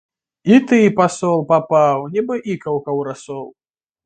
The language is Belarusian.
І ты, пасол, папаў, нібы ікаўка ў расол!